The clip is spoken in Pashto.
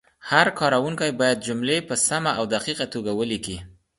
هر کارونکی باید جملې په سمه او دقیقه توګه ولیکي.